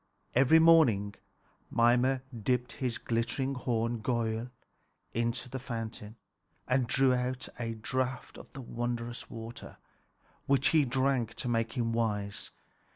Every morning Mimer dipped his glittering horn Giöll into the fountain and drew out a draught of the wondrous water, which he drank to make him wise.